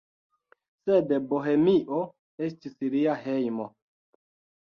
Sed Bohemio estis lia hejmo.